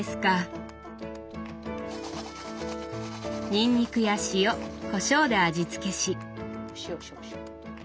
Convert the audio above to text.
にんにくや塩・こしょうで味付けし。